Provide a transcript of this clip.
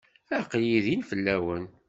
Aql-iyi din fell-awen.